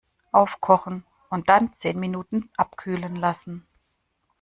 Aufkochen und dann zehn Minuten abkühlen lassen.